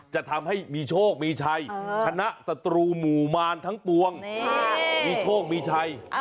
จะทำให้มีโชคมีชัยชนะศัตรูหมู่มารทั้งปวงมีโชคมีชัย